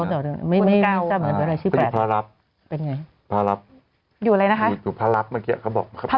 เป็นไงพระรับอยู่อะไรนะคะอยู่อยู่พระรับเมื่อกี้เขาบอกพระรับ